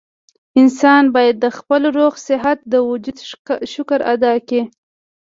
انسان بايد د خپل روغ صحت د وجود شکر ادا کړي